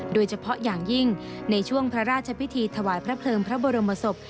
โดยเฉพาะอย่างยิ่งในช่วงพระราชพิธีถวายพระเพลิงพระบรมศพ